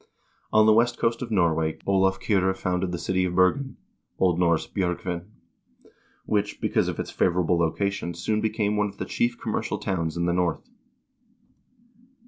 On the west coast of Norway, Olav Kyrre founded the city of Bergen (O. N. Bj0rgvin),1 which, because of its favorable location, soon became one of the chief commercial towns in the North.